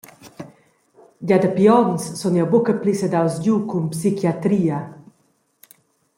Gia dapi onns sun jeu buca pli sedaus giu cun psichiatria.»